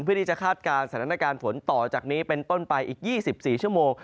คาดการณ์สถานการณ์ฝนต่อจากนี้เป็นต้นไปอีก๒๔ชั่วโมง